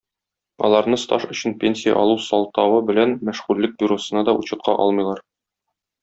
Аларны стаж өчен пенсия алу сылтавы белән мәшгульлек бюросына да учетка алмыйлар.